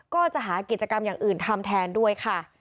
ก็จะหากิจกรรมอย่างอื่นทำแทนด้วยค่ะ